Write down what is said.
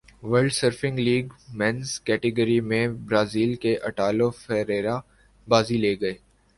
world surfing league men's category میں Brazil کے Italo Ferreira بازی لے گئے